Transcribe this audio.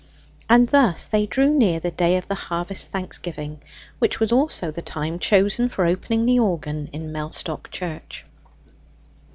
And thus they drew near the day of the Harvest Thanksgiving, which was also the time chosen for opening the organ in Mellstock Church.